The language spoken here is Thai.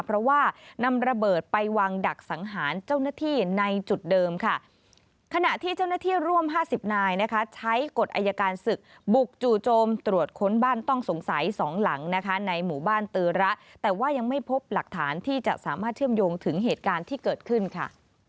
เพราะว่านำระเบิดไปวางดักสังหารเจ้าหน้าที่ในจุดเดิมค่ะขณะที่เจ้าหน้าที่ร่วม๕๐นายนะคะใช้กฎอายการศึกบุกจู่โจมตรวจค้นบ้านต้องสงสัยสองหลังนะคะในหมู่บ้านตือระแต่ว่ายังไม่พบหลักฐานที่จะสามารถเชื่อมโยงถึงเหตุการณ์ที่เกิดขึ้นค่ะ